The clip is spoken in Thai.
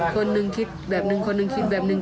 คนหนึ่งคิดแบบหนึ่งคนหนึ่งคิดแบบนึง